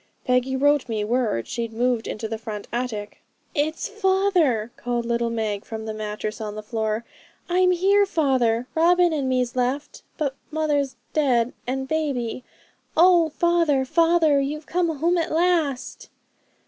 Peggy wrote me word she'd moved into the front attic.' 'It's father,' called little Meg from her mattress on the floor; 'I'm here, father! Robin and me's left; but mother's dead, and baby. Oh! father, father! You've come home at last!'